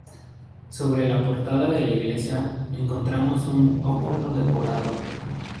Sobre la portada de la iglesia encontramos un óculo decorado.